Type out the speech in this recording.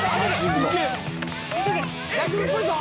大丈夫っぽいぞ。